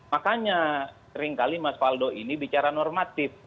makanya sering kali mas waldo ini bicara normatif